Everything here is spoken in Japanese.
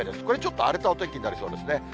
これちょっと荒れたお天気になりそうですね。